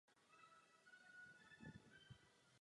Program se každým rokem věnuje novému tématu podpory.